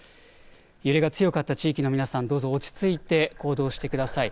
揺れが強かった地域の皆さん、どうぞ落ち着いて行動してください。